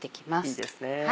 いいですね。